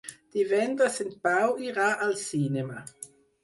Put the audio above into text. Divendres en Pau irà al cinema.